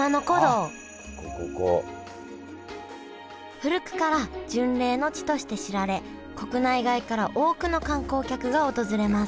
古くから巡礼の地として知られ国内外から多くの観光客が訪れます